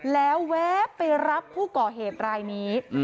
แล้วแวะไปรับผู้ก่อเหตุรายนี้